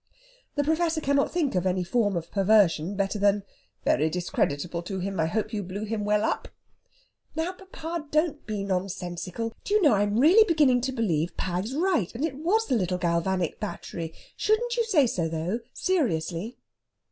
The Professor cannot think of any form of perversion better than "Very discreditable to him. I hope you blew him well up?" "Now, papa, don't be nonsensical! Do you know, I'm really beginning to believe Pag's right, and it was the little galvanic battery. Shouldn't you say so, though, seriously?"